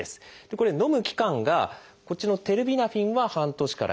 これのむ期間がこっちのテルビナフィンは半年から１年。